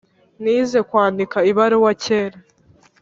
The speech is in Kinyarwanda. Nize kwandika ibaruwa kera